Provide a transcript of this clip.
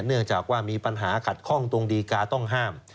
เนื่องจากว่ามีปัญหาขัดข้องตรงดีกาต้องห้าม